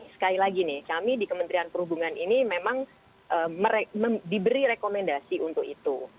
sekali lagi nih kami di kementerian perhubungan ini memang diberi rekomendasi untuk itu